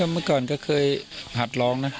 เมื่อก่อนก็เคยหัดร้องนะ